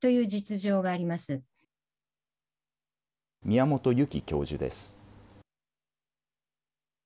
宮本ゆき教授です。